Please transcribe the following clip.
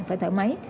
phải thở máy